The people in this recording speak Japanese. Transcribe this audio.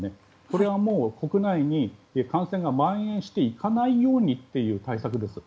これは国内に感染がまん延していかないようにという対策です。